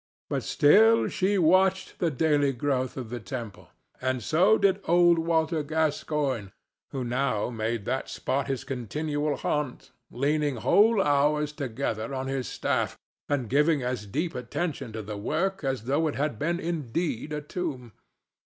But still she watched the daily growth of the temple, and so did old Walter Gascoigne, who now made that spot his continual haunt, leaning whole hours together on his staff and giving as deep attention to the work as though it had been indeed a tomb.